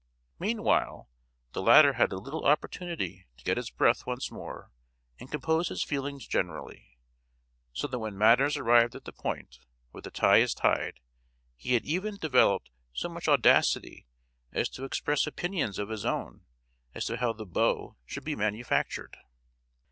Meanwhile the latter had a little opportunity to get his breath once more and compose his feelings generally; so that when matters arrived at the point where the tie is tied, he had even developed so much audacity as to express opinions of his own as to how the bow should be manufactured.